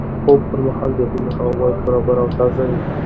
د خوب پر مهال د خونې هوا باید برابره او تازه وي.